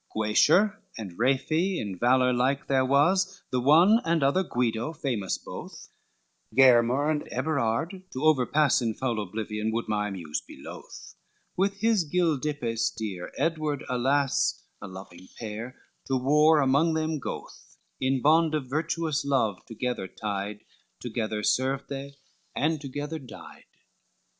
LVI Guascher and Raiphe in valor like there was. The one and other Guido, famous both, Germer and Eberard to overpass, In foul oblivion would my Muse be loth, With his Gildippes dear, Edward alas, A loving pair, to war among them go'th In bond of virtuous love together tied, Together served they, and together died.